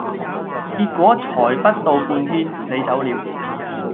結果才不到半天，你走了。